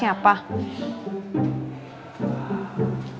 beneran kamu gak mau